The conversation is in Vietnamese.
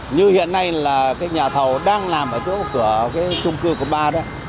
như hiện nay là cái nhà thầu đang làm ở chỗ cửa cái trung cư của ba đấy